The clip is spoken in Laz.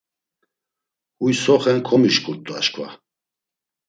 Huy so xen komişǩurt̆u aşǩva…